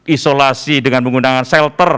isolasi dengan penggunaan shelter